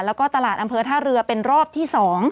แล้วก็ตลาดอำเภอท่าเรือเป็นรอบที่๒